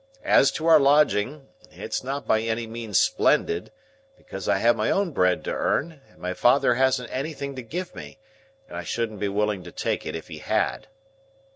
As to our lodging, it's not by any means splendid, because I have my own bread to earn, and my father hasn't anything to give me, and I shouldn't be willing to take it, if he had.